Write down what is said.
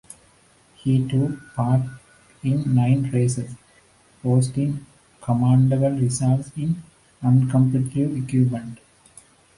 He took part in nine races posting commendable results in uncompetitive equipment.